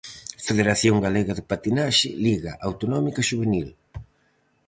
Federación galega de patinaxe: liga autonómica xuvenil.